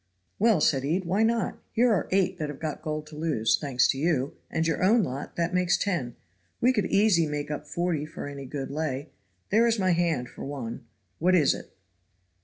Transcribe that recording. "Well," said Ede, "why not? Here are eight that have got gold to lose, thanks to you, and your own lot that makes ten. We could easy make up forty for any good lay; there is my hand for one. What is it?"